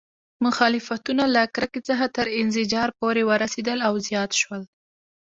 مخالفتونه له کرکې څخه تر انزجار پورې ورسېدل او زیات شول.